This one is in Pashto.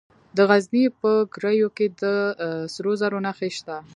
د غزني په ګیرو کې د سرو زرو نښې شته.